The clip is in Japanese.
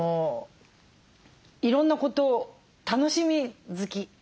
いろんなこと楽しみ好きだから。